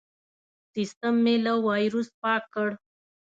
سیستم مې له وایرس پاک کړ.